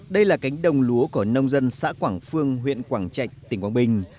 đây là cánh đồng lúa của nông dân xã quảng phương huyện quảng trạch tỉnh quảng bình